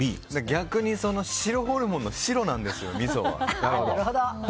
逆に白ホルモンの白なんですよ、みそは。